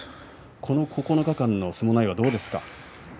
この九日間の相撲内容はどうですか。